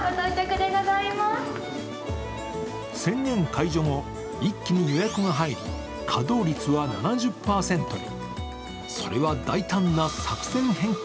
宣言解除後、一気に予約が入り稼働率は７０％に。